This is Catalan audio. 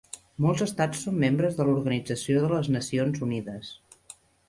Molts estats són membres de l'Organització de les Nacions Unides.